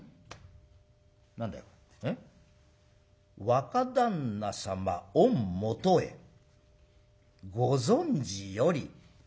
『若旦那様御許へご存じより』。